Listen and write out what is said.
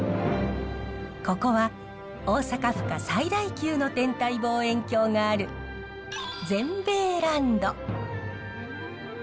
ここは大阪府下最大級の天体望遠鏡がある善兵衛ランド。